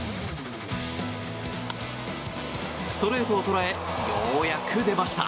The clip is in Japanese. ストレートを捉えようやく出ました。